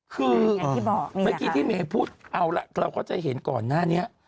คือเมื่อกี้ที่เมย์พูดเอาละเราก็จะเห็นก่อนหน้านี้